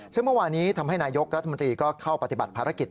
ซึ่งเมื่อวานี้ทำให้นายกรัฐมนตรีก็เข้าปฏิบัติภารกิจ